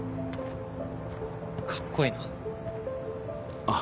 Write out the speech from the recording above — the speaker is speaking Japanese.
かっこいいなあっ